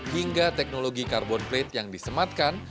hingga teknologi carbon plate yang disematkan